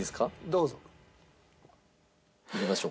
どうぞ。